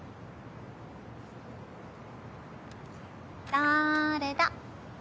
・だれだ。